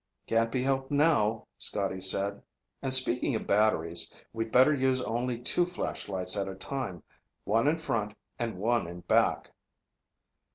"Can't be helped now," Scotty said. "And speaking of batteries, we'd better use only two flashlights at a time, one in front and one in back."